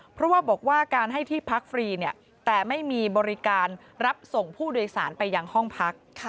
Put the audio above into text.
เพราะว่าบอกว่าการให้ที่พักฟรีแต่ไม่มีบริการรับส่งผู้โดยสารไปยังห้องพัก